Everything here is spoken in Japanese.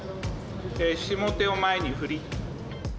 下手を前に振り。